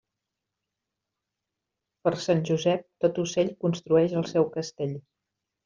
Per Sant Josep, tot ocell construeix el seu castell.